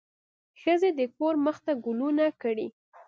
ښځې د کور مخ ته ګلونه کري.